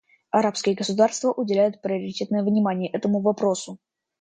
Арабские государства уделяют приоритетное внимание этому вопросу.